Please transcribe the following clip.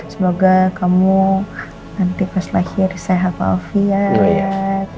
semoga kamu nanti pas lahir sehat alfian